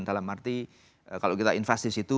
dalam arti kalau kita invest di situ